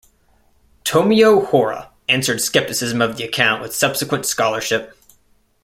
Tomio Hora answered skepticism of the account with subsequent scholarship.